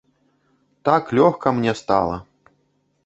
Так лёгка мне стала.